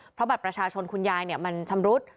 เพราะบัตรประชาชนคุณยายมันชำรุด